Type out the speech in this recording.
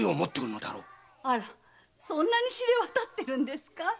あらそんなに知れ渡ってるんですか？